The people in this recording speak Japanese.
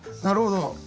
なるほど。